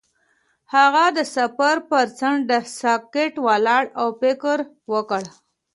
هغه د سفر پر څنډه ساکت ولاړ او فکر وکړ.